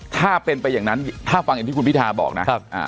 ถ้าเป็นไปอย่างนั้นถ้าฟังอย่างที่คุณพิทาบอกนะ